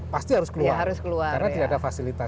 pasti harus keluar karena tidak ada fasilitas